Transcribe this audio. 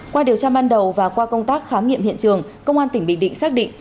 qua điều tra ban đầu và qua công tác khám nghiệm hiện trường công an tỉnh bình định xác định